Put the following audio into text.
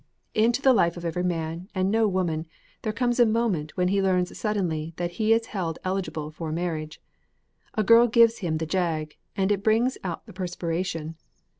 Into the life of every man, and no woman, there comes a moment when he learns suddenly that he is held eligible for marriage. A girl gives him the jag, and it brings out the perspiration.